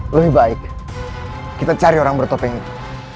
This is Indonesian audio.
lebih baik kita cari orang bertopeng itu